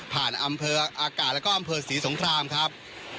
อำเภออากาศแล้วก็อำเภอศรีสงครามครับ